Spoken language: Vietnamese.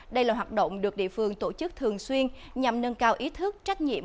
đây là hoạt động được địa phương tổ chức thường xuyên nhằm nâng cao ý thức trách nhiệm